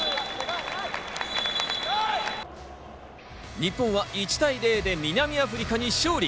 日本は１対０で南アフリカに勝利。